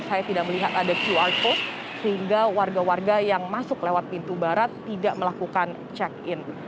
saya tidak melihat ada qr cost sehingga warga warga yang masuk lewat pintu barat tidak melakukan check in